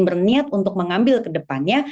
berniat untuk mengambil ke depannya